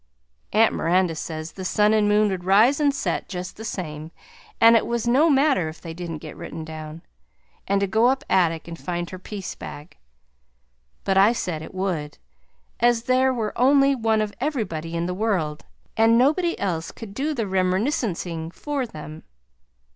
Aunt Miranda says the sun and moon would rise and set just the same, and it was no matter if they didn't get written down, and to go up attic and find her piece bag; but I said it would, as there was only one of everybody in the world, and nobody else could do their remerniscensing for them.